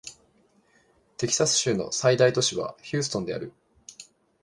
テキサス州の最大都市はヒューストンである